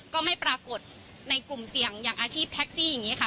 ก็ไม่ปรากฏในกลุ่มเสี่ยงอย่างอาชีพแท็กซี่อย่างนี้ค่ะ